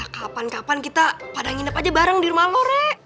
kapan kapan kita pada nginep aja bareng di rumahmu rek